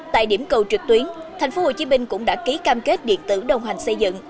tại điểm cầu trực tuyến tp hcm cũng đã ký cam kết điện tử đồng hành xây dựng